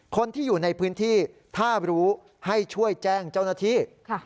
คนที่อยู่ในพื้นที่ถ้ารู้ให้ช่วยแจ้งเจ้าหน้าที่